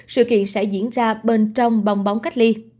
sự kiện sẽ diễn ra bên trong bong bóng cách ly